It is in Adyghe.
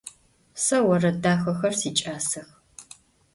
Se vored daxexer siç'asex.